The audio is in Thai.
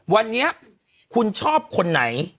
วันนี้คุณชอบคนไหน